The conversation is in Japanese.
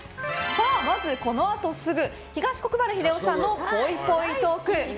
まずこのあとすぐ東国原英夫さんのぽいぽいトーク。